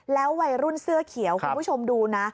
แล้ววัยรุ่นเสื้อเขียวคุณผู้ชมดูนะ